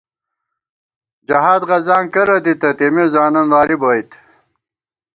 جہاد غزاں کرہ دِتہ، تېمےځوانان واری بوئیت